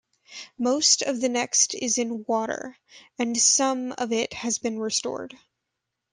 Most of the next is in water, and some of it has been restored.